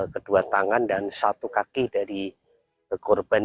kedua tangan dan satu kaki dari korban